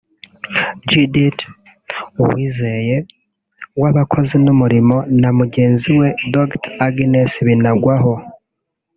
Judith Uwizeye w’Abakozi n’Umurimo na mugenzi we Dr Agnes Binagwaho